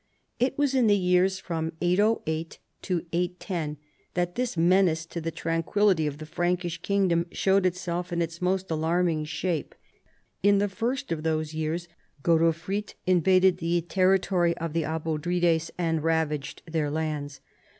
It was in the years from 808 to 810 that this menace to the tranquillity of the Frankish kingdom showed itself in its most alarming shape. In the first of those years Godofrid invaded the territory of tlie Abodrites and ravaged their lands.